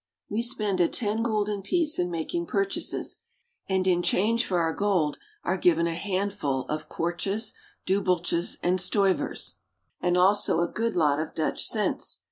We spend a ten gulden piece in making purchases, and in change for our gold are given a handful of kwartjes, dubbeltjes, and stuyvers, and also a good lot of Dutch cents.